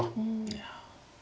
いや。